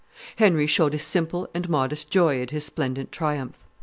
Henry showed a simple and modest joy at his splendid triumph.